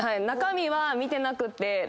中身は見てなくて。